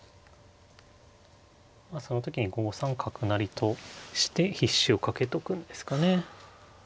その時に５三角成として必至をかけとくんですかね。